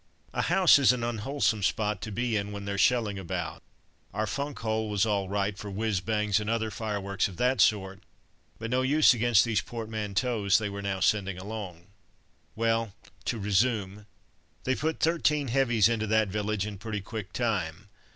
A house is an unwholesome spot to be in when there's shelling about. Our funk hole was all right for whizz bangs and other fireworks of that sort, but no use against these portmanteaux they were now sending along. Well, to resume; they put thirteen heavies into that village in pretty quick time.